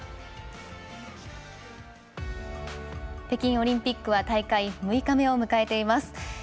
北京オリンピックは大会６日目を迎えています。